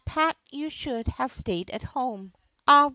Pat you should have stayed at home, Arrah!